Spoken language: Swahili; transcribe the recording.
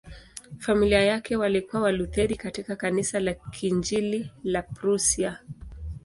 Familia yake walikuwa Walutheri katika Kanisa la Kiinjili la Prussia.